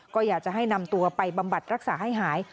ก็อยากจะให้นำตัวไปบำบัดรักษาให้หาย